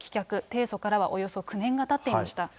提訴からはおよそ９年がたっていました。